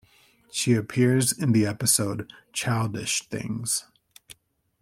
She appears in the episode "Childish Things".